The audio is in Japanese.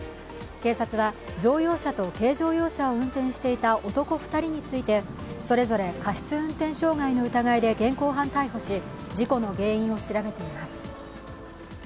警察は乗用車と軽乗用車を運転していた男２人について、それぞれ過失運転傷害の疑いで現行犯逮捕し、事故の原因を調べています。